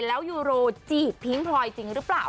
แล้วยูโรจีบพิ้งพลอยจริงหรือเปล่า